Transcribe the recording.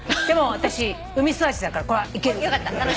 私海育ちだからこれはいける。